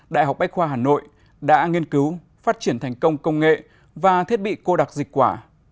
đại học bách khoa hà nội đã nghiên cứu phát triển thành công công nghệ và thiết bị cô đặc dịch quả